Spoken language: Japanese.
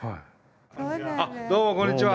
あっ、どうもこんにちは。